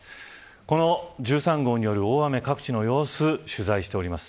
この１３号による大雨各地の様子、取材しております。